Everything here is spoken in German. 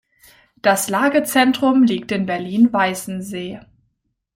Das Lagezentrum liegt in Berlin-Weißensee.